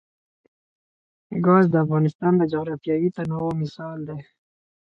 ګاز د افغانستان د جغرافیوي تنوع مثال دی.